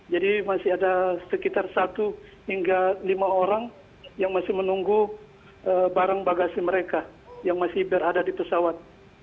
jadi masih ada sekitar satu hingga lima orang yang masih menunggu barang bagasi mereka yang masih berada di pesawat